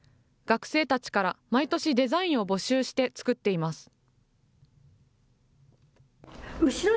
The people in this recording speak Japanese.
学生たちから、毎年デザインを募集して作っています。